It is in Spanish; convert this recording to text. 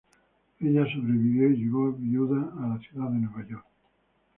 Ella sobrevivió y llegó viuda a la ciudad de Nueva York.